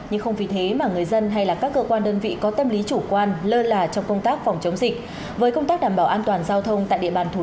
hãy đăng ký kênh để nhận thông tin nhất